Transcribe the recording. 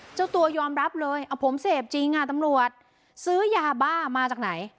เจ้าตัวยอมรับเลยเอาผมเสพจริงตำรวจซื้อยาบ้ามาจากไหน